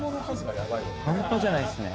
半端じゃないっすね。